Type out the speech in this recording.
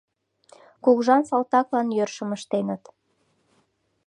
Кугыжан салтаклан йӧршым ыштеныт.